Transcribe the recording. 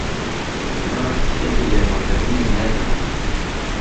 Ji min re tiştekî lixwekirinê ne dima.